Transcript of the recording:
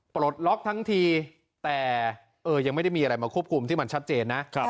ปลดล็อกทั้งทีแต่ยังไม่ได้มีอะไรมาควบคุมที่มันชัดเจนนะ